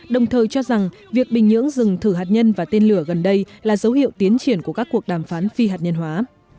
đồng thời cho rằng việc bình nhưỡng dừng thử hạt nhân và tên lửa gần đây là dấu hiệu tiến triển của các cuộc đàm phán phi hạt nhân hóa